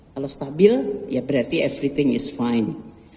kalau stabil ya berarti everything is fine